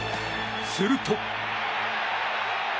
すると。